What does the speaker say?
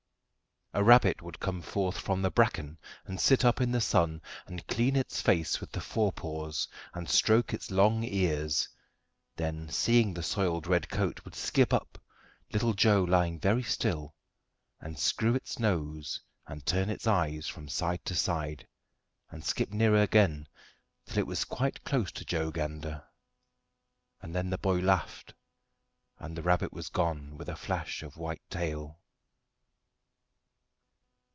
A rabbit would come forth from the bracken and sit up in the sun, and clean its face with the fore paws and stroke its long ears; then, seeing the soiled red coat, would skip up little Joe lying very still and screw its nose and turn its eyes from side to side, and skip nearer again, till it was quite close to Joe Gander; and then the boy laughed, and the rabbit was gone with a flash of white tail.